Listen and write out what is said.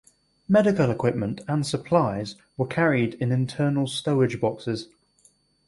Medical equipment and supplies were carried in internal stowage boxes.